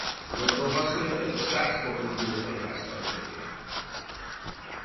Londonban született a Szász–Coburg–Gothai-ház tagjaként.